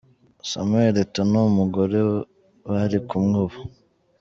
Samuel Eto'o n'umugore bari kumwe ubu.